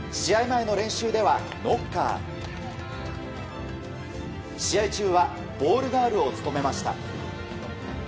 前の練習ではノッカー試合中はボールガールを務めました。